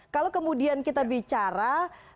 kalau kemudian kita bicara